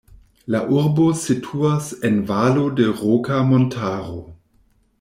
La urbo situas en valo de Roka Montaro.